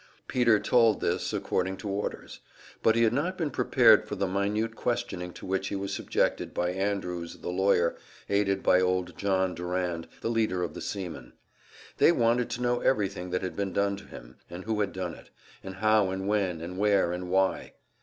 Peter told this, according to orders; but he had not been prepared for the minute questioning to which he was subjected by Andrews, the lawyer, aided by old John Durand, the leader of the seamen. They wanted to know everything that had been done to him, and who had done it, and how and when and where and why.